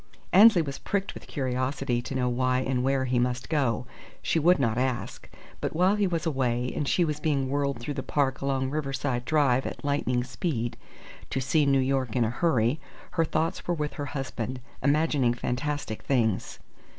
Annesley was pricked with curiosity to know why and where he must go. She would not ask. But while he was away and she was being whirled through the park and along Riverside Drive at lightning speed, "to see New York in a hurry," her thoughts were with her husband, imagining fantastic things.